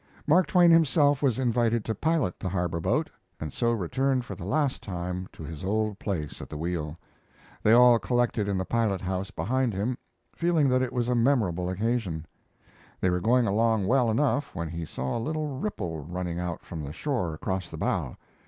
Mark Twain himself was invited to pilot the harbor boat, and so returned for the last time to his old place at the wheel. They all collected in the pilot house behind him, feeling that it was a memorable occasion. They were going along well enough when he saw a little ripple running out from the shore across the bow.